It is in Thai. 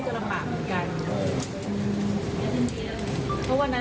เออคิดใจในการฟังดี